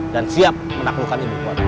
dan siap menaklukkan ibu kuat